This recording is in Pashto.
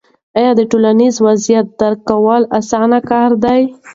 آیا د ټولنیز وضعیت درک کول اسانه کار دی؟